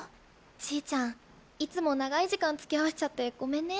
ちぃちゃんいつも長い時間つきあわせちゃってごめんね。